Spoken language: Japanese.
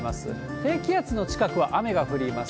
低気圧の近くは雨が降ります。